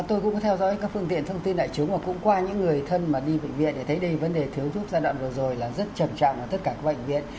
tôi cũng có theo dõi các phương tiện thông tin đại chúng và cũng qua những người thân mà đi bệnh viện để thấy đây vấn đề thiếu giúp giai đoạn vừa rồi là rất trầm trọng ở tất cả các bệnh viện